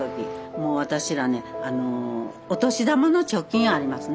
もう私らねお年玉の貯金ありますね。